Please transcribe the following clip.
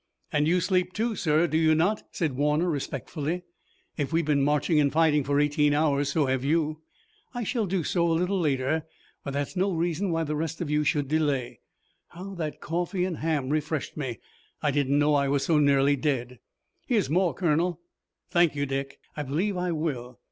"And you sleep, too, sir, do you not?" said Warner, respectfully. "If we've been marching and fighting for eighteen hours so have you." "I shall do so a little later, but that's no reason why the rest of you should delay. How that coffee and ham refreshed me! I didn't know I was so nearly dead." "Here's more, Colonel!" "Thank you, Dick. I believe I will.